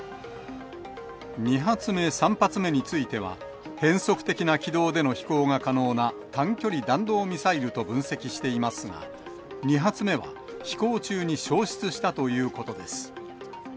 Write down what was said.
２発目、３発目については、変則的な軌道での飛行が可能な短距離弾道ミサイルと分析していますが、２発目は飛行中に消失したということです。